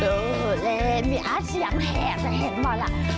ดูเล่นมีอาชียังแหงจะเห็นหมดล่ะ